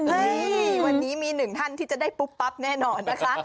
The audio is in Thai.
วันนี้มีหนึ่งท่านที่จะได้ปุ๊บปั๊บแน่นอนนะคะ